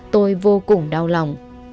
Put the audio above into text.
tôi vô cùng đau lòng